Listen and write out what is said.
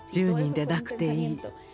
１０人でなくていい。